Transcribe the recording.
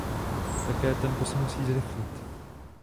Také tempo se musí zrychlit.